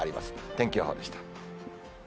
天気予報でした。